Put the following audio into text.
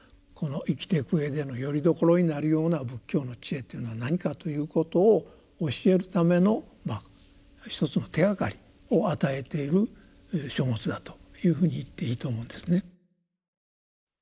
生きていくうえでのよりどころになるような仏教の智慧というのは何かということを教えるための一つの手がかりを与えている書物だというふうに言っていいと思うんですね。